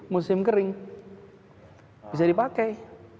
musim kering bisa dipakai